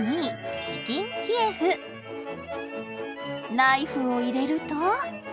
ナイフを入れると。